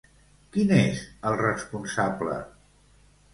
Qui n'és el responsable?